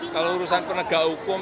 kalau urusan penegak hukum